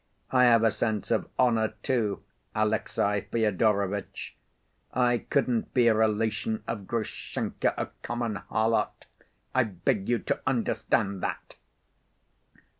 I have a sense of honor, too, Alexey Fyodorovitch, I couldn't be a relation of Grushenka, a common harlot. I beg you to understand that!"